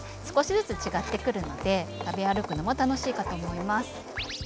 少しずつ違ってくるので食べ歩くのも楽しいかと思います。